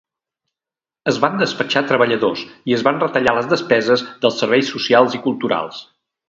Es van despatxar treballadors i es van retallar les despeses dels serveis socials i culturals.